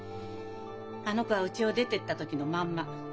あの子はうちを出てった時のまんま。